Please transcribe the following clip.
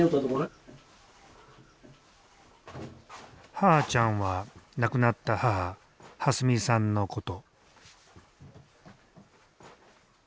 「はーちゃん」は亡くなった母「はすみ」さんのこと。